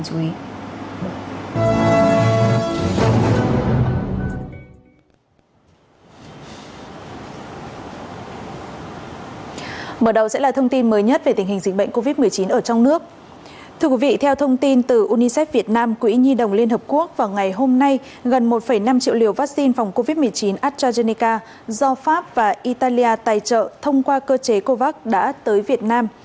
thưa quý vị theo thông tin từ unicef việt nam quỹ nhi đồng liên hợp quốc vào ngày hôm nay gần một năm triệu liều vaccine phòng covid một mươi chín astrazeneca do pháp và italia tài trợ thông qua cơ chế covax đã tới việt nam